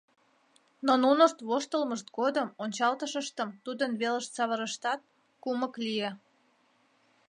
Но нунышт воштылмышт годым ончалтышыштым тудын велыш савырыштат, кумык лие.